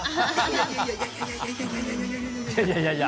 いやいやいや。